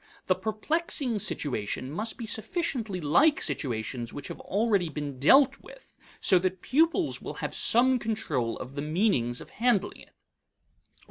The perplexing situation must be sufficiently like situations which have already been dealt with so that pupils will have some control of the meanings of handling it.